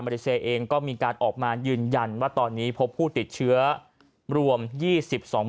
เลเซียเองก็มีการออกมายืนยันว่าตอนนี้พบผู้ติดเชื้อรวม๒๒คน